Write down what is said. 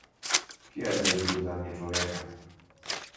"Pierwej zrób ze mnie człowieka."